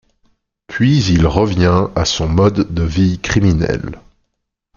Puis il revient à son mode de vie criminel.